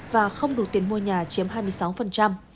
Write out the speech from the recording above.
và không đủ tiền mua nhà chiếm hai mươi sáu